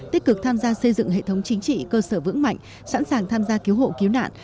tích cực tham gia xây dựng hệ thống chính trị cơ sở vững mạnh sẵn sàng tham gia cứu hộ cứu nạn